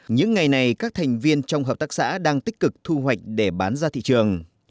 những ngày này các thành viên trong hợp tác xã đang tích cực thu hoạch để bán ra thị trường